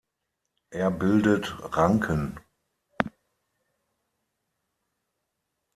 Er bildet Ranken.